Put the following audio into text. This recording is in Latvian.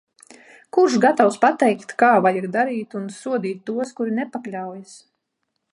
Kurš gatavs pateikt, kā vajag darīt un sodīt tos, kuri nepakļaujas.